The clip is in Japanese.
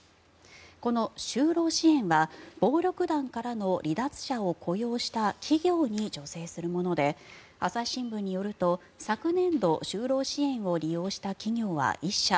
この就労支援は暴力団からの離脱者を雇用した企業に助成するもので朝日新聞によると昨年度就労支援を利用した企業は１社。